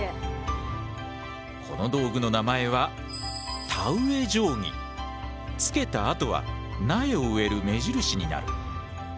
この道具の名前はつけた跡は苗を植える目印になる。